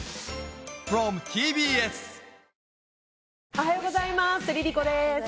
おはようございますＬｉＬｉＣｏです